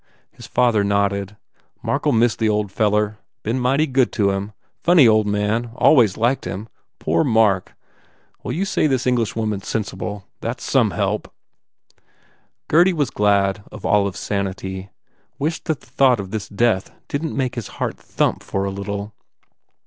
His father nodded, "Mark ll miss the old feller. Been mighty good to him. Funny old man. Always liked him. Poor Mark! Well, you say this Englishwoman s sen sible. That s some help." Gurdy was glad of Olive s sanity, wished that the thought of this death didn t make his heart thump for a little.